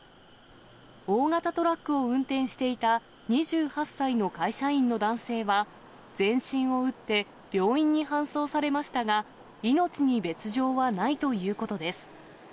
大型トラックを運転していた２８歳の会社員の男性は、全身を打って病院に搬送されましたが、命に別状はないということです。